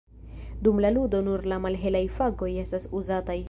Dum la ludo nur la malhelaj fakoj estas uzataj.